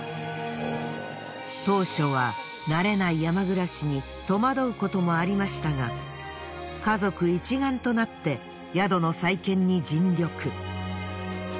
当初は慣れない山暮らしに戸惑うこともありましたが家族一丸となって宿の再建に尽力。